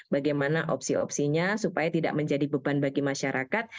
bagaimana opsi opsinya supaya tidak menjadi beban bagi masyarakat